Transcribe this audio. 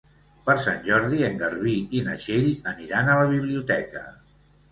Per Sant Jordi en Garbí i na Txell aniran a la biblioteca.